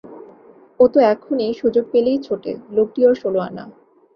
ও তো এখনই সুযোগ পেলেই ছোটে, লোভটি ওর ষোলো-আনা।